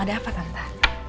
ada apa tante